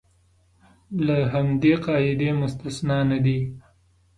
له همدې قاعدې مستثنی نه دي.